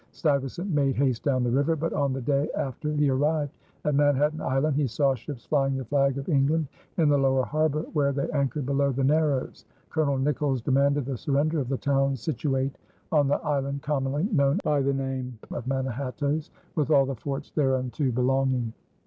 Stuyvesant made haste down the river; but on the day after he arrived at Manhattan Island, he saw ships flying the flag of England in the lower harbor, where they anchored below the Narrows. Colonel Nicolls demanded the surrender of the "towns situate on the island commonly known by the name of Manhattoes, with all the forts thereunto belonging."